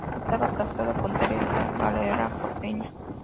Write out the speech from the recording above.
Estaba casado con Teresa Varela, porteña.